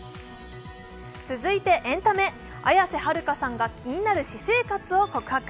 続いてエンタメ、綾瀬はるかさんが気になる私生活を告白。